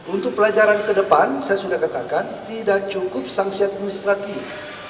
untuk pelajaran ke depan saya sudah katakan tidak cukup sanksi administratif